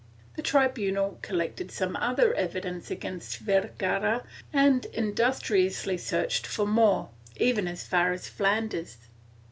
The tribunal collected some other evidence against Vergara and industriously searched for more, even as far as Flanders.